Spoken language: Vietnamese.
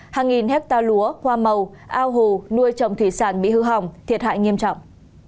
hàng nghìn hecta lúa hoa màu ao hồ nuôi trong thủy sản bị hư hỏng thiệt hại nghiêm trọng